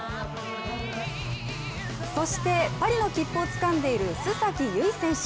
そしてパリの切符をつかんでいる須崎優衣選手。